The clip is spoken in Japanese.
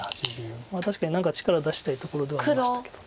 まあ確かに何か力を出したいところではありましたけど。